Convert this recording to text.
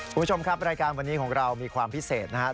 คุณผู้ชมครับรายการวันนี้ของเรามีความพิเศษนะครับ